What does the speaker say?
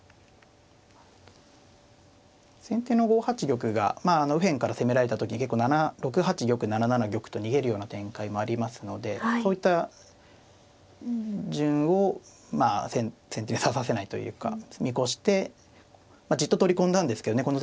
先手の５八玉がまあ右辺から攻められた時結構６八玉７七玉と逃げるような展開もありますのでそういった順をまあ先手に指させないというか見越してじっと取り込んだんですけどね